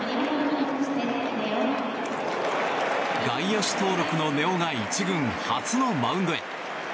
外野手登録の根尾が１軍初のマウンドへ。